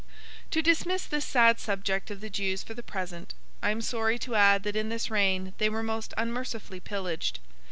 To dismiss this sad subject of the Jews for the present, I am sorry to add that in this reign they were most unmercifully pillaged.